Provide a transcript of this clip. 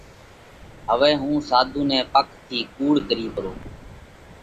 هوَئہ هُون ساڌُو نئہ پڪ ٿِي ڪُوڙو ڪرِيه پرو۔